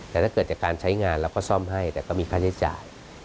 แต่ถ้าเกิดจากการใช้งานเราก็ซ่อมให้แต่ก็มีค่าใช้จ่าย